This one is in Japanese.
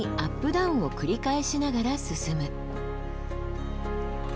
ダウンを繰り返しながら進む。